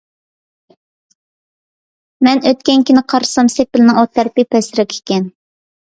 مەن ئۆتكەن كۈنى قارىسام، سېپىلنىڭ ئۇ تەرىپى پەسرەك ئىكەن.